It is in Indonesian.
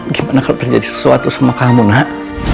gimana kalau terjadi sesuatu sama kamu nak